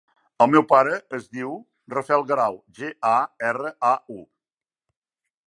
El meu pare es diu Rafael Garau: ge, a, erra, a, u.